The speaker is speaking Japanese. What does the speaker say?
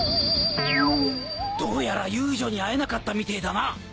どうやら遊女に会えなかったみてえだな。